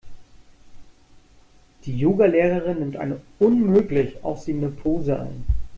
Die Yoga-Lehrerin nimmt eine unmöglich aussehende Pose ein.